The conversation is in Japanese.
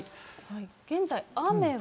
現在雨は。